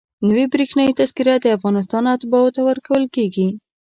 نوې برېښنایي تذکره د افغانستان اتباعو ته ورکول کېږي.